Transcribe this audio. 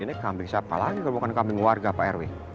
ini kambing siapa lagi kalau bukan kambing warga pak erwin